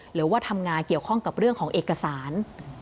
หรือว่าทำงานเกี่ยวข้องกับเรื่องของเอกสาร